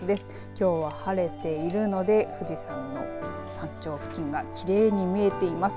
きょうは晴れているので富士山の山頂付近がきれいに見えています。